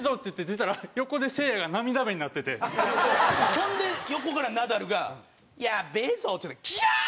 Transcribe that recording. ほんで横からナダルが「やっべぇぞ！」って言ったら「キャー！」